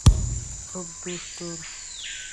সব দোষ তোর!